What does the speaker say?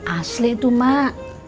asli itu mak